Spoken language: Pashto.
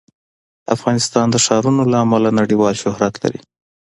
افغانستان د ښارونو له امله نړیوال شهرت لري.